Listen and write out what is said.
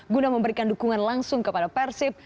guna memberikan dukungan langsung kepada persib